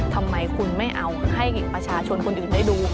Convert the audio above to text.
ทำไมคุณไม่เอาให้ประชาชนคนอื่นได้ดู